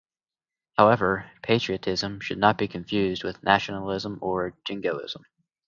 However, patriotism should not be confused with nationalism or jingoism.